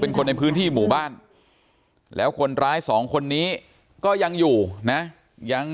เป็นคนในพื้นที่หมู่บ้านแล้วคนร้ายสองคนนี้ก็ยังอยู่นะยัง